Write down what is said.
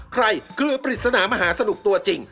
เกลือปริศนามหาสนุกตัวจริง